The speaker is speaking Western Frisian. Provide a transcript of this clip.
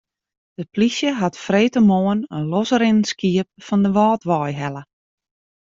De plysje hat freedtemoarn in losrinnend skiep fan de Wâldwei helle.